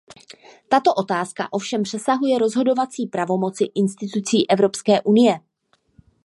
Tato otázka ovšem přesahuje rozhodovací pravomoci institucí Evropské unie.